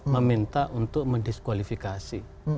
meminta untuk mendiskualifikasi